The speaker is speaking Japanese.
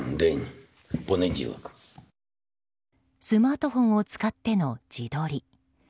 スマートフォンを使っての自撮り。